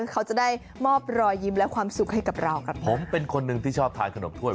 เขาจะได้มอบรอยยิ้มและความสุขให้กับเราครับผมเป็นคนหนึ่งที่ชอบทานขนมถ้วย